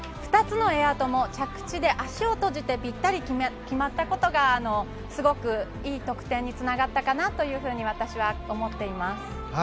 ２つのエアとも着地で足を閉じてぴったり決まったことがすごくいい得点につながったかなと私は思っています。